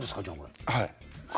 はい。